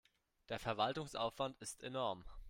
Der Verwaltungsaufwand ist enorm.